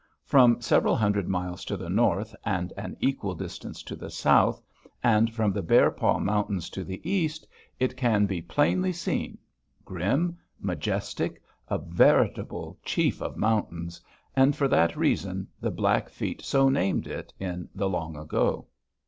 From several hundred miles to the north, and an equal distance to the south, and from the Bear Paw Mountains to the east, it can be plainly seen, grim, majestic, a veritable Chief of Mountains, and for that reason the Blackfeet so named it in the long ago.